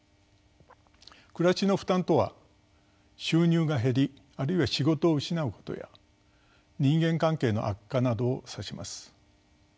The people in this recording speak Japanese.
「暮らしの負担」とは収入が減りあるいは仕事を失うことや人間関係の悪化などを指します。